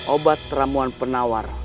obat ramuan penawar